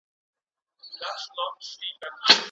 یوناني طب بې ګټي نه دی.